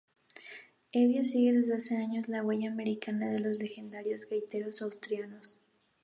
Hevia sigue desde hace años la huella americana de los legendarios gaiteros asturianos.